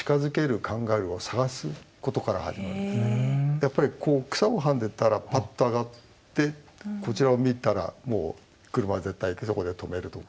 やっぱりこう草をはんでたらパッと上がってこちらを見たらもう車は絶対そこで止めるとか。